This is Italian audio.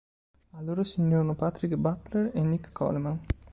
A loro si unirono Patrick Butler e Nick Coleman.